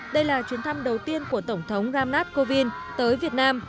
đây là chuyến thăm đầu tiên của tổng thống ramnath kovind tới việt nam